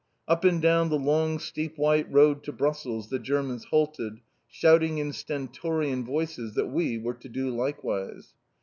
Up and down the long steep white road to Brussels the Germans halted, shouting in stentorian voices that we were to do likewise.